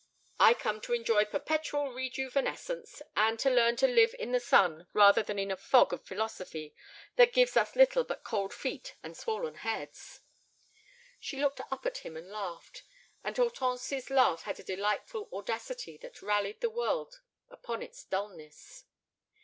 "I come to enjoy perpetual rejuvenescence, and to learn to live in the sun rather than in a fog of philosophy that gives us little but cold feet and swollen heads." She looked up at him and laughed. And Hortense's laugh had a delightful audacity that rallied the world upon its dulness.